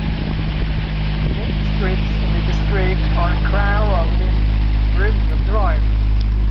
The main streets in the district are Crow Road and Broomhill Drive.